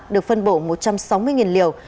được phân bổ một trăm sáu mươi liều